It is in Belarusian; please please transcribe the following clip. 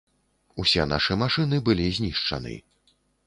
Усе нашы машыны былі знішчаны.